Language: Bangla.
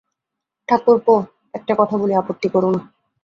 ঠাকরপো, একটা কথা বলি আপত্তি কোরো না।